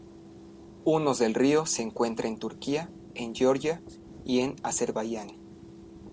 Unos del río se encuentra en Turquía, en Georgia, y en Azerbaiyán.